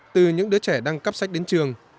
từ những đứa trẻ đang cắp sách đến trường